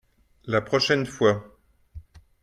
La prochaine fois.